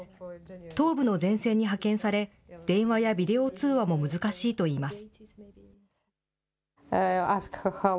東部の前線に派遣され、電話やビデオ通話も難しいといいます。